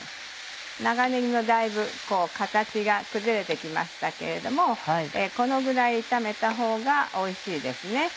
長ねぎもだいぶ形が崩れて来ましたけれどもこのぐらい炒めたほうがおいしいですね。